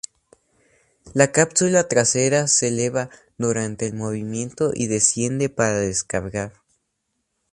La cápsula trasera se eleva durante el movimiento y desciende para descargar.